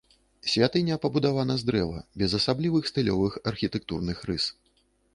Святыня пабудавана з дрэва без асаблівых стылёвых архітэктурных рыс.